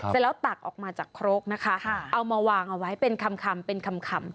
เสร็จแล้วตักออกมาจากครกนะคะเอามาวางเอาไว้เป็นคำเป็นคำ